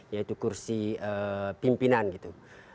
yaitu kursi pimpinan gitu